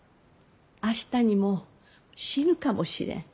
明日にも死ぬかもしれん。